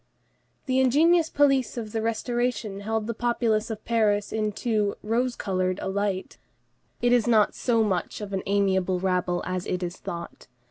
The ingenuous police of the Restoration beheld the populace of Paris in too "rose colored" a light; it is not so much of "an amiable rabble" as it is thought.